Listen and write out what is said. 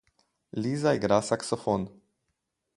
Liza igra saksofon.